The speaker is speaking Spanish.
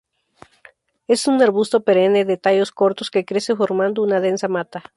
Es un arbusto perenne de tallos cortos que crece formando una densa mata.